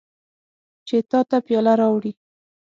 چې تا ته پیاله راوړي.